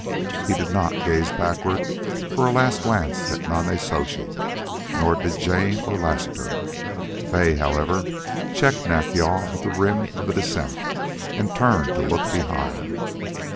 He did not gaze backward for a last glance at Nonnezoshe; nor did Jane or Lassiter. Fay, however, checked Nack yal at the rim of the descent and turned to look behind.